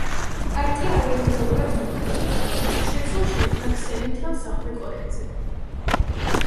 პარტია არალეგალურად მოქმედებდა, თუმცა შეძლო შეექმნა ქსელი მთელ სამხრეთ კორეაზე.